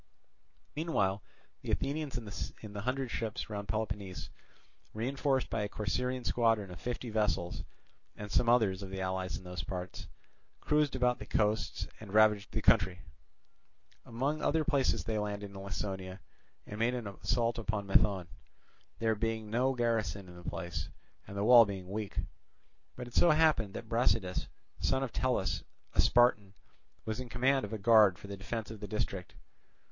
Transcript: Meanwhile the Athenians in the hundred ships round Peloponnese, reinforced by a Corcyraean squadron of fifty vessels and some others of the allies in those parts, cruised about the coasts and ravaged the country. Among other places they landed in Laconia and made an assault upon Methone; there being no garrison in the place, and the wall being weak. But it so happened that Brasidas, son of Tellis, a Spartan, was in command of a guard for the defence of the district.